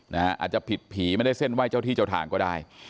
อาจจะผิดผีไม่ได้เส้นไหว้เจ้าที่เจ้าทางก็ได้